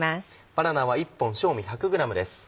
バナナは１本正味１００ｇです。